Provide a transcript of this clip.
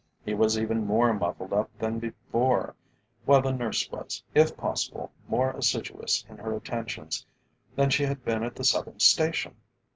He was even more muffled up than before, while the nurse was, if possible, more assiduous in her attentions than she had been at the southern station.